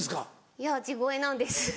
いや地声なんです。